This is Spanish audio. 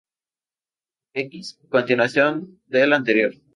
X.- Continuación del anterior.